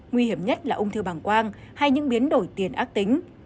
nguy hiểm nhất là ung thư bằng quang hay những biến đổi tiền ác tính